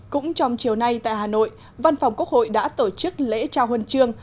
cũng trong chiều nay tại hà nội văn phòng quốc hội đã tổ chức lễ trao huân trường